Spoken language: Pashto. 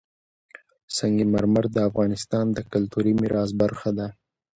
سنگ مرمر د افغانستان د کلتوري میراث برخه ده.